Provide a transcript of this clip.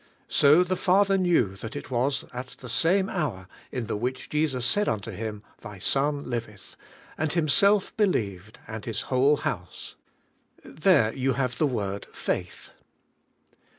So the father knew that it was at the same hour, in the which Jesus said unto him, Thy son liveth; and himself believed, and his whole house." There you have the word "faith".